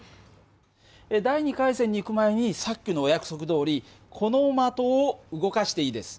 第２回戦にいく前にさっきのお約束どおりこの的を動かしていいです。